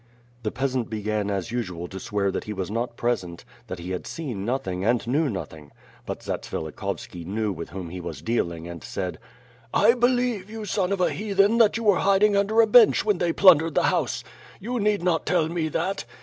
The peasant began as usual to swear that he was not pres ent; that he had seen nothing, and knew nothing; but Zats vilikhovski knew with whom he was dealing and said: "I believe, you son of a heathen, that you were hiding under a bench when they plundered the house. You need not tell me that.